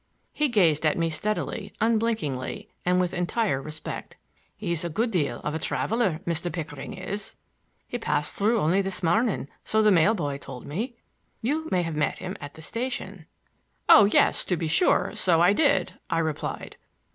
He gazed at me steadily, unblinkingly and with entire respect. "He's a good deal of a traveler, Mr. Pickering is. He passed through only this morning, so the mail boy told me. You may have met him at the station." "Oh, yes; to be sure; so I did I" I replied.